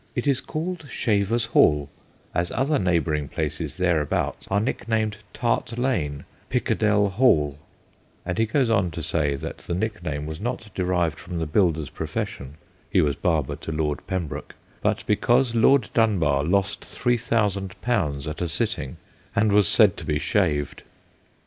It is called Shaver's Hall, as other neighbour ing places thereabouts are nicknamed Tart Hall, Pickadell Hall '; and he goes on to say that the nickname was not derived from the builder's profession he was barber to Lord Pembroke but because Lord Dunbar lost 3000 at a sitting and was said to be shaved.